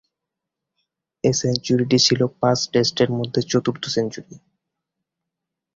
এ সেঞ্চুরিটি ছিল পাঁচ টেস্টের মধ্যে চতুর্থ সেঞ্চুরি।